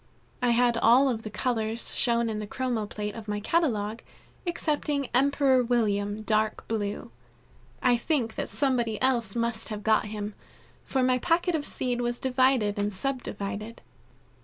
I had all of the colors shown in the chromo plate of my catalogue, excepting Emperor William, dark blue. I think that somebody else must have got him, for my packet of seed was divided and sub divided.